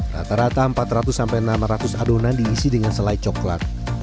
rata rata empat ratus enam ratus adonan diisi dengan selai coklat